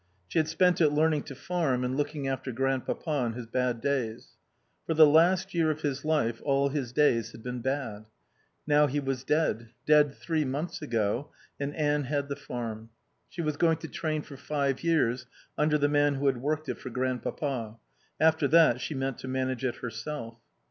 She had spent it learning to farm and looking after Grandpapa on his bad days. For the last year of his life all his days had been bad. Now he was dead, dead three months ago, and Anne had the farm. She was going to train for five years under the man who had worked it for Grandpapa; after that she meant to manage it herself.